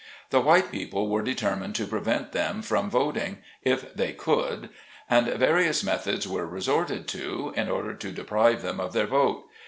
The white people were determined to prevent them from voting, if they could, and various methods were resorted to, in order to deprive them of their vote.